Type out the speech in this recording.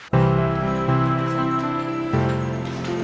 ya makasih ya pak